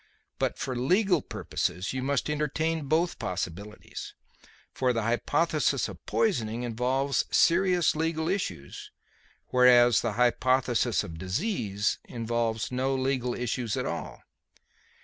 But for legal purposes you must entertain both possibilities; for the hypothesis of poisoning involves serious legal issues, whereas the hypothesis of disease involves no legal issues at all."